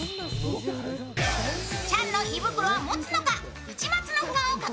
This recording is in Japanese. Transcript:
チャンの胃袋はもつのか。